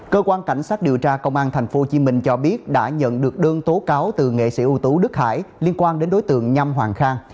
cơ quan cảnh sát điều tra công an tp hcm cho biết đã nhận được đơn tố cáo từ nghệ sĩ ưu tú đức hải liên quan đến đối tượng nhăm hoàng khang